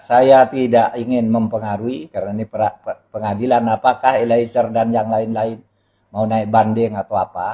saya tidak ingin mempengaruhi karena ini pengadilan apakah eliezer dan yang lain lain mau naik banding atau apa